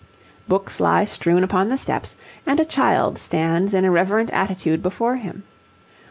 Books lie strewn upon the steps, and a child stands in a reverent attitude before him.